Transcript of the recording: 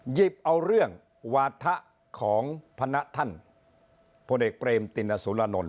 หยิบเอาเรื่องวาถะของพนักท่านพลเอกเปรมตินสุรานนท